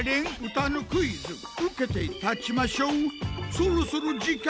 「そろそろ時間！